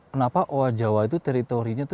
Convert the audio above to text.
kenapa owa jawa itu teritorinya itu